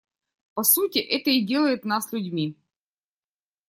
По сути, это и делает нас людьми.